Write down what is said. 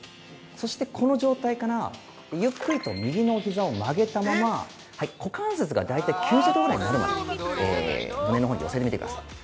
そしてこの状態からゆっくりと右のひざを曲げたまま、股関節が大体９０度になるまで胸のほうに寄せてみてください。